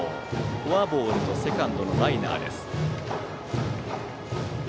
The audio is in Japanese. フォアボールとセカンドのライナーです。